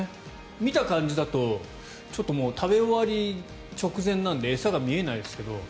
見た感じだと食べ終わり直前なので餌が見えないですけど。